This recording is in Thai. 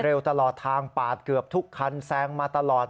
ตลอดทางปาดเกือบทุกคันแซงมาตลอด